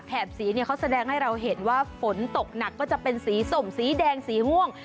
สีเนี่ยเขาแสดงให้เราเห็นว่าฝนตกหนักก็จะเป็นสีสมสีแดงสีม่วง